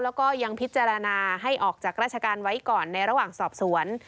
แล้วก็ยังพิจารณาให้ออกจากราชการไว้ก่อนในระหว่างสอบสวน